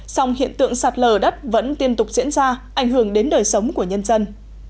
song hiện tượng sạt lở đất vẫn tiếp tục diễn ra ảnh hưởng đến đời sống của nhân dân